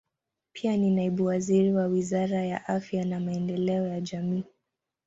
Pia ni naibu waziri wa Wizara ya Afya na Maendeleo ya Jamii.